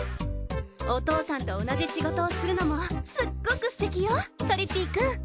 お父さんと同じ仕事をするのもすっごくすてきよとりっぴいくん。